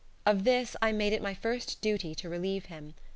Of this I made it my first duty to relieve him.